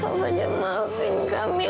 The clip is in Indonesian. kamu sudah maafkan kamila